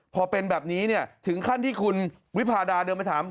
พอเป็นแบบนี้เนี่ยถึงขั้นที่คุณวิพาดาเดินมาถาม